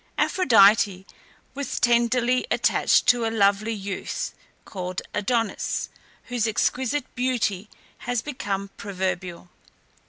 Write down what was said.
Aphrodite was tenderly attached to a lovely youth, called Adonis, whose exquisite beauty has become proverbial.